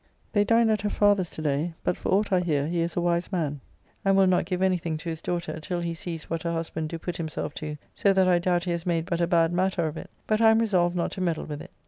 They dined at her father's today, but for ought I hear he is a wise man, and will not give any thing to his daughter till he sees what her husband do put himself to, so that I doubt he has made but a bad matter of it, but I am resolved not to meddle with it.